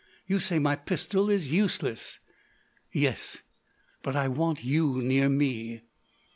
You say my pistol is useless." "Yes.... But I want you near me."